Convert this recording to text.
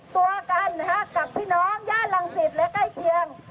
ตัวกันกับพี่น้องย่านรังสิตและใกล้เคียง